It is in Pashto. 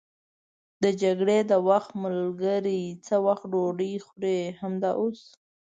د جګړې د وخت ملګري څه وخت ډوډۍ خوري؟ همدا اوس.